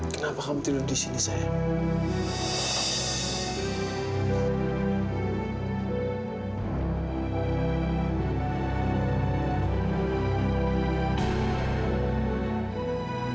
kenapa kamu tidur di sini sayang